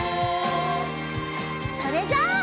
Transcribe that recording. それじゃあ。